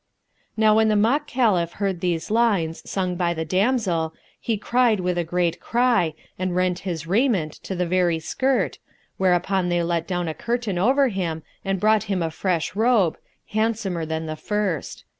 Now when the mock Caliph heard these lines sung by the damsel, he cried with a great cry and rent his raiment to the very skirt, whereupon they let down a curtain over him and brought him a fresh robe, handsomer than the first.